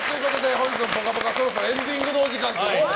本日の「ぽかぽか」そろそろエンディングのお時間ということで。